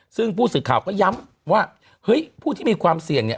ซึ่งผู้สื่อข่าวก็ย้ำว่าเฮ้ยผู้ที่มีความเสี่ยงเนี่ย